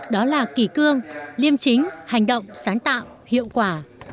đó là kỳ cương liêm chính hành động sáng tạo hiệu quả